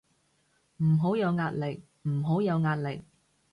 唔好有壓力，唔好有壓力